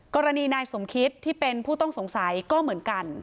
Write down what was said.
กรณีนายสมคิตที่เป็นผู้ต้องสงสัยก็เหมือนกัน